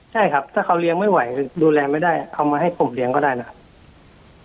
ใช่ครับถ้าเขาเลี้ยงไม่ไหวดูแลไม่ได้เอามาให้ผมเลี้ยงก็ได้นะครับ